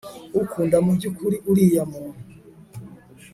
ukunda mubyukuri uriya munt